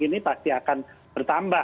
ini pasti akan bertambah